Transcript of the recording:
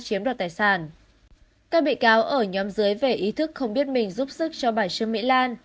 các bị cáo ở nhóm dưới về ý thức không biết mình giúp sức cho bà trương mỹ lan